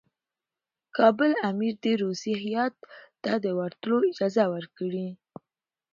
کابل امیر دي روسي هیات ته د ورتلو اجازه ورکړي.